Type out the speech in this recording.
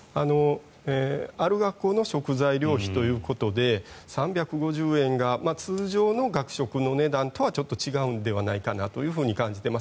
ある学校の食材料費ということで３５０円が通常の学食の値段とはちょっと違うのではないかなと感じています。